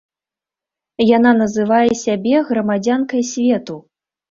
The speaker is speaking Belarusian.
Яна называе сябе грамадзянкай свету.